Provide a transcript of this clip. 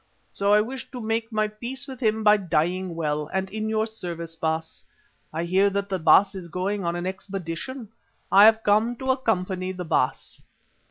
So I wish to make my peace with him by dying well, and in your service, Baas. I hear that the Baas is going on an expedition. I have come to accompany the Baas."